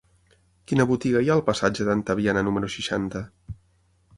Quina botiga hi ha al passatge d'Antaviana número seixanta?